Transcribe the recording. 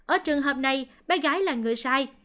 ở trường hợp này bé gái là người sai